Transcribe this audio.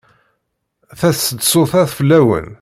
Taseḍsut-a fell-awen.